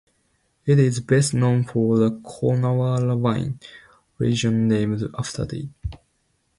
It is best known for the Coonawarra wine region named after it.